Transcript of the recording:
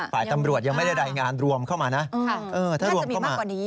ฝ่ายตำรวจยังไม่ได้รายงานรวมเข้ามานะถ้ารวมเข้ามากว่านี้